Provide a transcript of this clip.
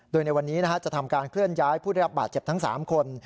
โดยในวันนี้จะทำการเคลื่อนย้ายผู้ได้รับบาดเจ็บทั้ง๓คน